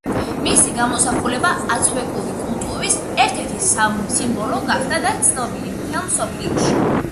მისი გამოსახულება აცტეკური კულტურის ერთ-ერთი სიმბოლო გახდა და ცნობილია მთელ მსოფლიოში.